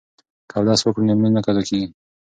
که اودس وکړو نو لمونځ نه قضا کیږي.